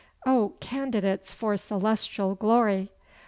O candidates for celestial glory!